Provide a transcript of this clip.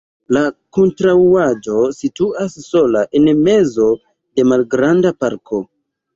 La konstruaĵo situas sola en mezo de malgranda parko.